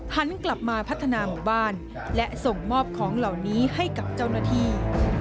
หันกลับมาพัฒนาหมู่บ้านและส่งมอบของเหล่านี้ให้กับเจ้าหน้าที่